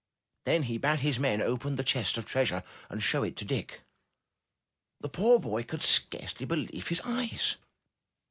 Then he bade his men open the chest of treasure and show it to Dick. The poor boy could scarcely believe his eyes.